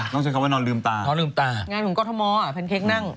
งานถุงก็ทะม้อแพนเค้กนั่ง